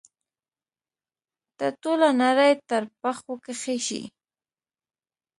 ته ټوله نړۍ تر پښو کښی شي